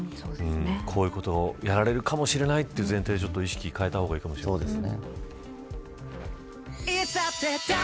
こういうことをやられるかもしれないという前提で意識を変えた方がいいかもですね。